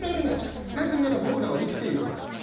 なぜなら僕らは生きているから。